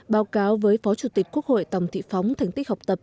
báo cáo với phó chủ tịch quốc hội tòng thị phóng thành tích học tập